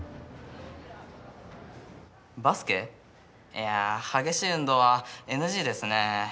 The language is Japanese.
いや激しい運動はＮＧですね。